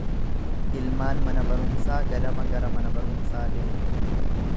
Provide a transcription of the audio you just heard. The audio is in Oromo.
Ilmaan mana barumsaa ganama gara mana barumsaa deemu.